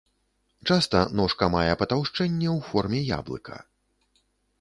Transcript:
Часта ножка мае патаўшчэнне ў форме яблыка.